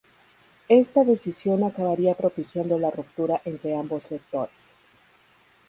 Esta decisión acabaría propiciando la ruptura entre ambos sectores.